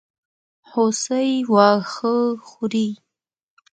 هوسۍ واښه خوري.